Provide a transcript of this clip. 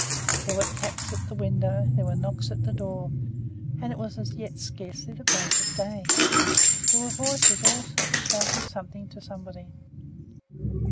There were taps at the window, there were knocks at the door and it was as yet scarcely the break of day! There were voices also, shouting something to somebody.